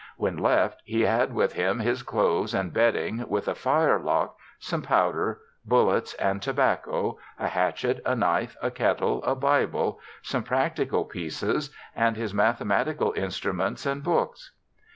When left, he had with him his clothes and bedding, with a firelock, some powder, bullets, and to bacco, a hatchet, a knife, a kettle, a Bible, some practical pieces, and his mathematical instruments and books.